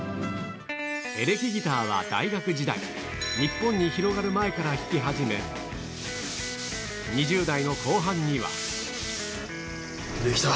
エレキギターは大学時代、日本に広がる前から弾き始め、２０代の後半には。出来た。